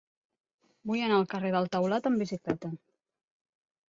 Vull anar al carrer del Taulat amb bicicleta.